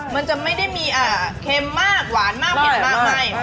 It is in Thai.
มันจะไม่ได้มีเค็มมากหวานมากเผ็ดมากมาย